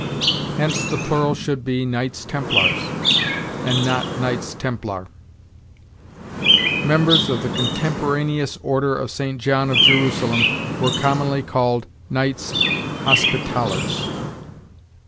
Hence the plural should be Knights Templars, and not Knights Templar. Members of the contemporaneous order of St. John of Jerusalem were commonly called Knights Hospitallers.